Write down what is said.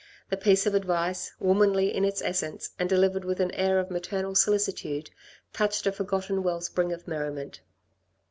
The piece of advice, womanly in its essence, and delivered with an air of maternal solicitude, touched a forgotten well spring of merriment.